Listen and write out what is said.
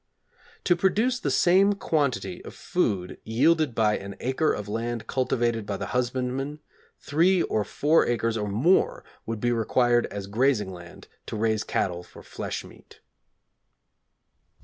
To produce the same quantity of food yielded by an acre of land cultivated by the husbandman, three or four acres, or more, would be required as grazing land to raise cattle for flesh meat.